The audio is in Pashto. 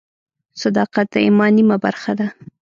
صداقت د ایمان نیمه برخه ده.